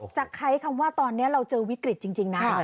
จะใช้คำว่าตอนนี้เราเจอวิกฤตจริงนะ